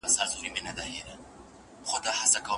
ښه انسانان له پوهو او مناسبو کسانو سره ملګرتیا کوي.